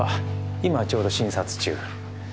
今ちょうど診察中。